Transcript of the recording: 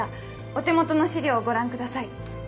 お手元の資料をご覧ください。